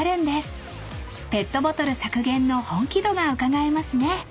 ［ペットボトル削減の本気度がうかがえますね］